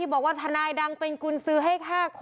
บอกว่าทนายดังเป็นกุญซื้อให้๕คน